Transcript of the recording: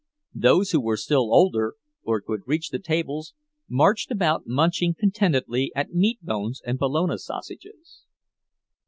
Those who were still older, and could reach the tables, marched about munching contentedly at meat bones and bologna sausages.